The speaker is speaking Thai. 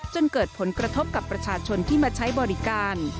จนเกิดผลกระทบกับประชาชนที่มาใช้บริการ